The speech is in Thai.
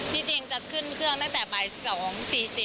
ที่จริงจะขึ้นเครื่องตั้งแต่ปลายเช้าของ๔๐